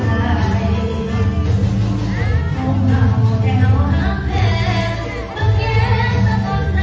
ของเราแค่ว่าเผ็ดมันเก็บต้นหนักปอนด์